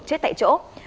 chết tại chỗ